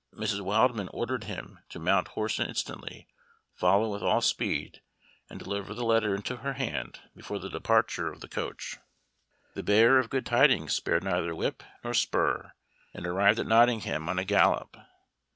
Mrs. Wildman ordered him to mount horse instantly, follow with all speed, and deliver the letter into her hand before the departure of the coach. The bearer of good tidings spared neither whip nor spur, and arrived at Nottingham on a gallop.